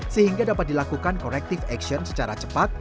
sehingga dapat dilakukan korektif aksion secara cepat